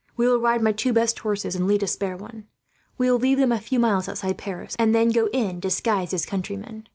"We will ride my two best horses, and lead a spare one. We will leave them a few miles outside Paris, and then go in disguised as countrymen.